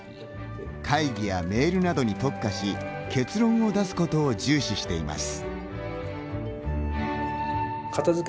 会議やメールなどに特化し結論を出すことを重視しています。